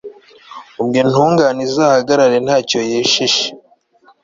ubwo intungane izahagarare nta cyo yishisha